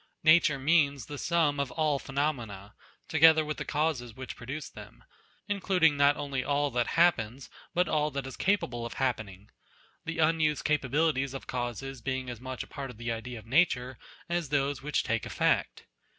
Nature means the sum of all phenomena, together with the causes which produce them ; in cluding not only all that happens, but all that is capable of happening; the unused capabilities of causes being as much a part of the idea of Nature, as those which take effect.